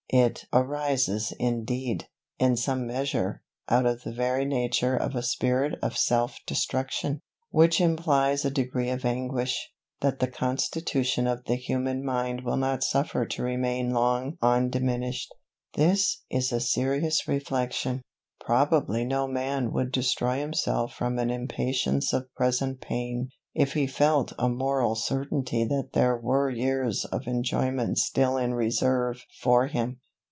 It arises indeed, in some measure, out of the very nature of a spirit of self destruction; which implies a degree of anguish, that the constitution of the human mind will not suffer to remain long undiminished. This is a serious reflection, Probably no man would destroy himself from an impatience of present pain, if he felt a moral certainty that there were years of enjoyment still in reserve for him.